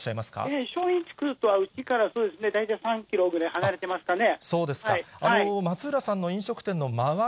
ええ、正院地区とはうちからそうですね、大体３キロぐらい離れてますかね。